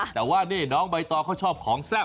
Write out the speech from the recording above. แต่ว่านี่น้องใบตองเขาชอบของแซ่บ